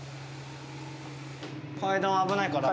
階段は危ないからね。